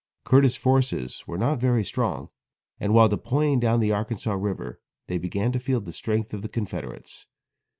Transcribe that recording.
Curtis' forces were not very strong, and while deploying down the Arkansas river they began to feel the strength of the Confederates.